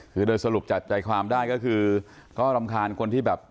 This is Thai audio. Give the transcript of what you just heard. คือโดยสรุปจับใจความได้ก็คือก็รำคาญคนที่แบบ